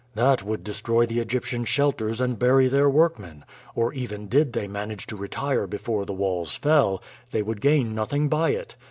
"That would destroy the Egyptian shelters and bury their workmen; or, even did they manage to retire before the walls fell, they would gain nothing by it.